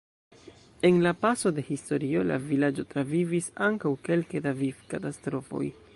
En la paso de historio la vilaĝo travivis ankaŭ kelke da vivkatastrofoj.